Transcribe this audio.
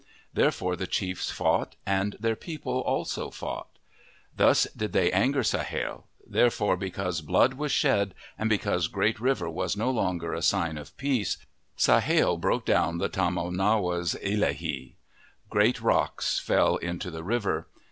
Therefore the chiefs fought, and their people also fought. Thus did they anger Sah ale. Therefore, because blood was shed and because Great River was no longer a sign of peace, Sahale broke down the tomanowos illahee. Great rocks fell into the river.